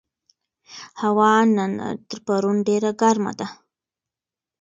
هوا نن تر پرون ډېره ګرمه ده.